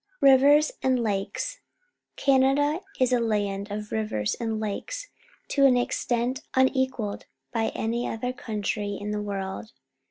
Rivers and Lakes. — Canada is a land of rivers and lakes to an extent unequalled by any other country in the world.